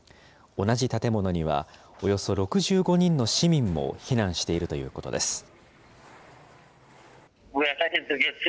同じ建物には、およそ６５人の市民も避難しているということです。